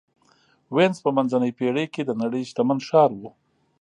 وینز په منځنۍ پېړۍ کې د نړۍ شتمن ښار و.